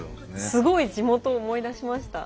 すごい地元を思い出しました。